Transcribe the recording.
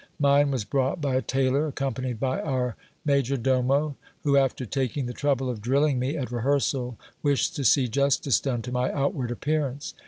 Mine was brought by a tailor, accompanied by our major domo, who, after taking the trouble of drilling me at rehearsal, wished to see justice done to my outward appearance.